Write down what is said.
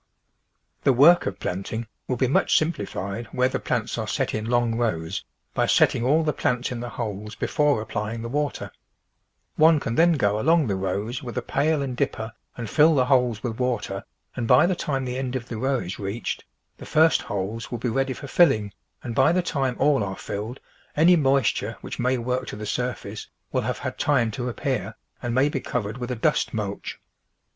The work of planting will be much simplified where the plants are set in long rows by setting all the plants in the holes before applying the water; one can then go along the rows with a pail and dipper and fill the holes with water, and by the time the end of the row is reached, the first TRANSPLANTING holes will be ready for filling, and by the time all are filled, any moisture which may work to the surface Mall have had time to apj)ear and may be covered with a dust mulch.